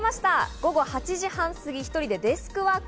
午後８時半すぎ、１人でデスクワーク。